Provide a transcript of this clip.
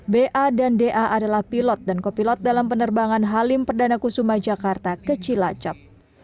ba dan da adalah pilot dan kopilot dalam penerbangan halim perdana kusuma jakarta ke cilacap